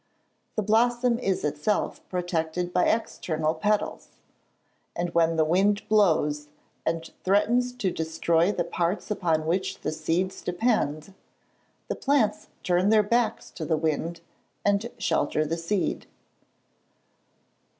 The blossom is itself protected by external petals; and when the wind blows, and threatens to destroy the parts upon which the seeds depend, the plants turn their backs to the wind, and shelter the seed.